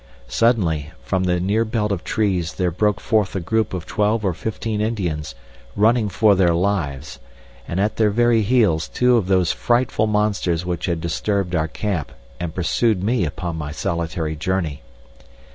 Suddenly from the near belt of trees there broke forth a group of twelve or fifteen Indians, running for their lives, and at their very heels two of those frightful monsters which had disturbed our camp and pursued me upon my solitary journey.